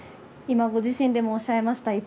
今ご自身でもおっしゃいました